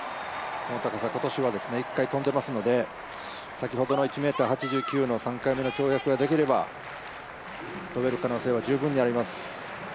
この高さ、今年は１回跳んでいますので、先ほどの１ｍ８９の３回目の跳躍ができれば跳べる可能性は十分にあります。